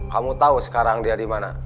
kamu tau sekarang dia dimana